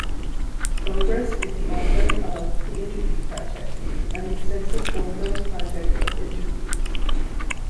Obrist is the author of "The Interview Project", an extensive ongoing project of interviews.